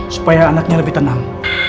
supaya anaknya lebih tenang